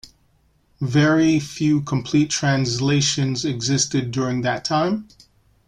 Very few complete translations existed during that time.